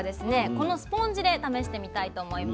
このスポンジで試してみたいと思います。